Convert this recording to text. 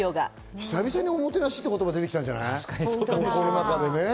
久しぶりにおもてなしっていう言葉が出てきたんじゃない。